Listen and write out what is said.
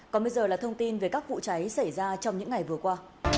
còn bây giờ là thông tin về các vụ cháy xảy ra trong những ngày vừa qua